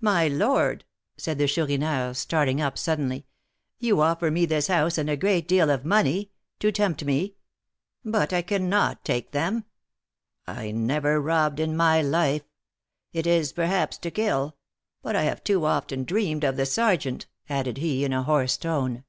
"My lord," said the Chourineur, starting up suddenly, "you offer me this house and a great deal of money, to tempt me; but I cannot take them; I never robbed in my life. It is, perhaps, to kill; but I have too often dreamed of the sergeant," added he, in a hoarse tone.